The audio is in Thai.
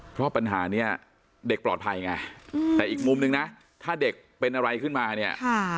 เพราะปัญหานี้เด็กปลอดภัยไงแต่อีกมุมนึงนะถ้าเด็กเป็นอะไรขึ้นมาเนี่ย